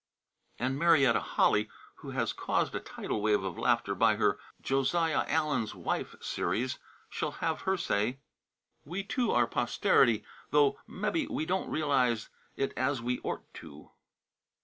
And Marietta Holley, who has caused a tidal wave of laughter by her "Josiah Allen's Wife" series, shall have her say. "We, too, are posterity, though mebby we don't realize it as we ort to."